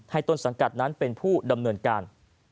ต้นสังกัดนั้นเป็นผู้ดำเนินการ